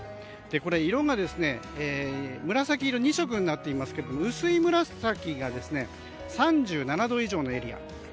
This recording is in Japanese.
これ、色が紫色２色になっていますけれども薄い紫が３７度以上のエリア。